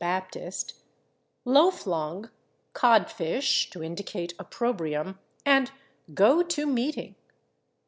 Baptist), /low flung/, /codfish/ (to indicate opprobrium) and /go to meeting